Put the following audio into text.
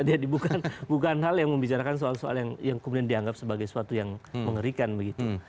bukan hal yang membicarakan soal soal yang kemudian dianggap sebagai suatu yang mengerikan begitu